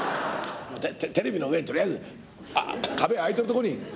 テレビの上にとりあえず壁空いてるとこにねつけようよ」。